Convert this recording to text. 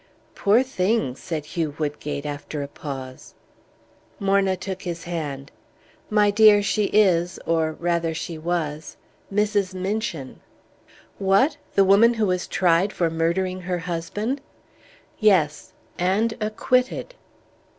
"Poor thing," said Hugh Woodgate, after a pause. Morna took his hand. "My dear, she is, or rather she was, Mrs. Minchin!" "What! The woman who was tried for murdering her husband?" "Yes and acquitted."